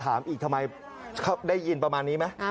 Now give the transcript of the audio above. ถามอีกทำไมได้ยินประมาณนี้ไหม